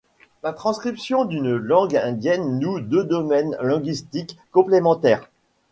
La transcription d'une langue indienne noue deux domaines linguistiques complémentaires.